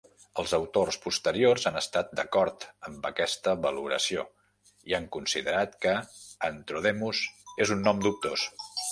Els autors posteriors han estat d'acord amb aquesta valoració i han considerat que "Antrodemus" és un nom dubtós.